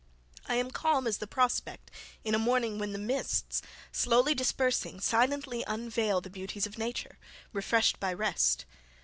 I am calm as the prospect in a morning when the mists, slowly dispersing, silently unveil the beauties of nature, refreshed by rest.